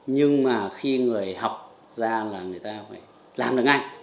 nhưng mà khi người học ra là người ta phải làm được ngay